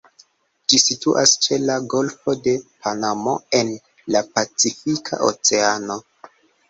Ĝi situas ĉe la Golfo de Panamo en la Pacifika Oceano.